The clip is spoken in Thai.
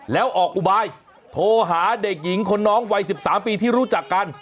แล้วออกอุบายโทรหาเด็กหญิงคนน้องวัย๑๓ปีที่รู้จักกัน